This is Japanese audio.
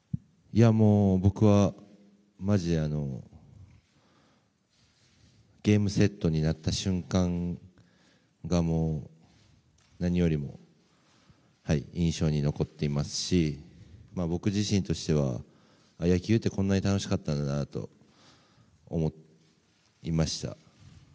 僕は、マジでゲームセットになった瞬間が何よりも印象に残っていますし僕自身としては野球ってこんなに楽しかったんだなと思いました。